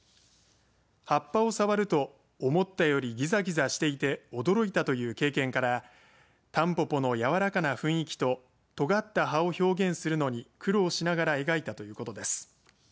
葉っぱを触ると思ったよりぎざぎざしていて驚いたという経験からタンポポのやわらかな雰囲気ととがった葉を表現するのに苦労しながら描いたということです。